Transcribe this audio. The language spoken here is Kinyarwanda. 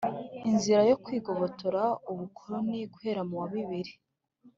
inzira yo kwigobotora ubukoloni guhera mu wa bibiri.